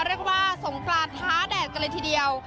เรียกว่าสงกรานท้าแดดกันเลยทีเดียว